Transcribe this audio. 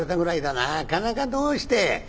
なかなかどうして。